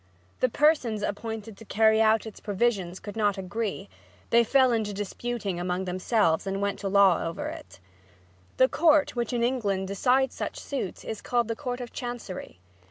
The persons appointed to carry out its provisions could not agree; they fell to disputing among themselves and went to law over it. The court which in England decides such suits is called the Court of Chancery.